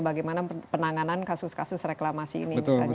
bagaimana penanganan kasus kasus reklamasi ini misalnya